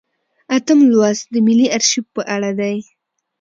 اتم لوست د ملي ارشیف په اړه دی.